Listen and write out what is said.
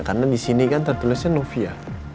karena di sini kan tertulisnya novia